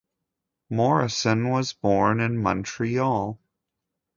Morrison was born in Montreal.